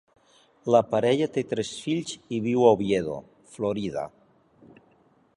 La parella té tres fills i viu a Oviedo, Florida.